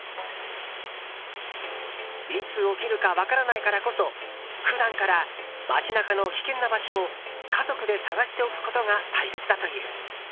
いつ起きるか分からないからこそ普段から、街中の危険な場所を家族で探しておくことが大切だという。